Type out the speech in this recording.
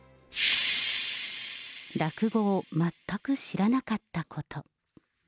落語を全く知らなかったこと。